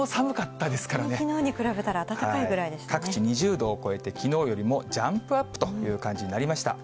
きのうに比べたら暖かいぐら各地２０度を超えて、きのうよりもジャンプアップという感じになりました。